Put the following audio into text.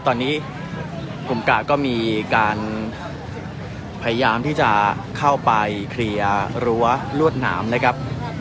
ตอนนี้กลุ่มกาดก็มีการพยายามที่จะเข้าไปเคลียร์รั้วลวดหนามนะครับ